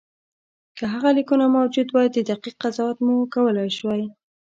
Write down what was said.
که هغه لیکونه موجود وای دقیق قضاوت مو کولای شوای.